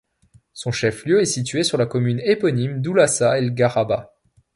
Son chef-lieu est situé sur la commune éponyme d'Oulhaça El Gheraba.